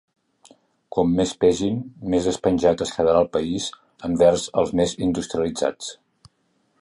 Com més pesin, més despenjat es quedarà el país envers els més industrialitzats.